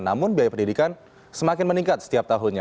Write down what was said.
namun biaya pendidikan semakin meningkat setiap tahunnya